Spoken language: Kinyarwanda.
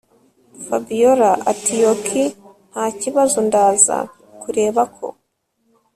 Fabiora atiokey ntakibazo ndaza kureba ko